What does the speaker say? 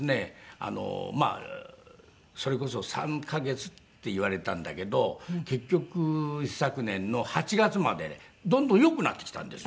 それこそ３カ月って言われたんだけど結局一昨年の８月までねどんどん良くなってきたんですよ。